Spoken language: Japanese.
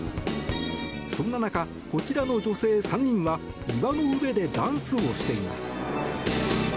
そんな中、こちらの女性３人は岩の上でダンスをしています。